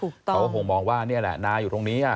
เขาก็คงมองว่านี่แหละนาอยู่ตรงนี้